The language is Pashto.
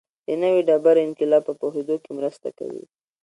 د نوې ډبرې انقلاب په پوهېدو کې مرسته کوي